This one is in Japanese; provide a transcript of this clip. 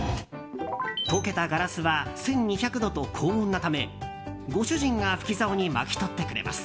溶けたガラスは１２００度と高温なためご主人が吹き竿に巻き取ってくれます。